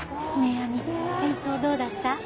亜美演奏どうだった？